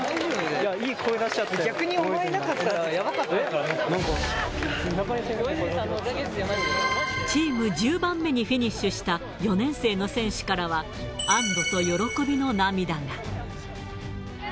お前がいなかったらやばかっチーム１０番目にフィニッシュした４年生の選手からは、安どと喜びの涙が。